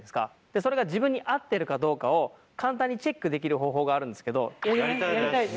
それが自分に合っているかどうかを簡単にチェックできる方法があるんですけど。